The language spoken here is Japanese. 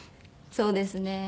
そうですね。